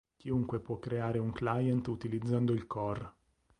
Chiunque può creare un client utilizzando il core.